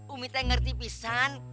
umi teh ngerti pisan